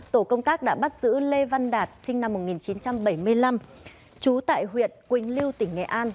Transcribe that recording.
tổ công tác đã bắt giữ lê văn đạt sinh năm một nghìn chín trăm bảy mươi năm